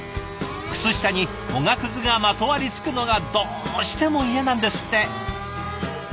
靴下におがくずがまとわりつくのがどうしても嫌なんですって。